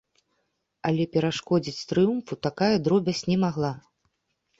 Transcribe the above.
Але перашкодзіць трыумфу такая дробязь не магла.